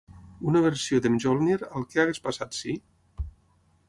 Una versió de Mjolnir al Què hagués passat si?